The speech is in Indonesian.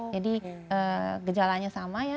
jadi gejalanya sama ya